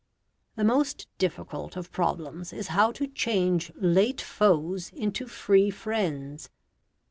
The most difficult of problems is how to change late foes into free friends.